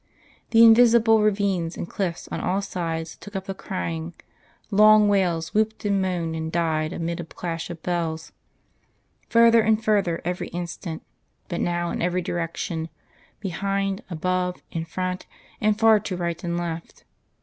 The invisible ravines and cliffs on all sides took up the crying; long wails whooped and moaned and died amid a clash of bells, further and further every instant, but now in every direction, behind, above, in front, and far to right and left.